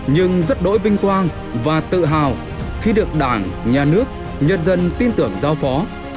nhưng rất đỗi vinh quang và tự hào khi được đảng nhà nước nhân dân tin tưởng giao phó